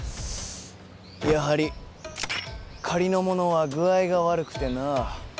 やはり仮のものは具合が悪くてな。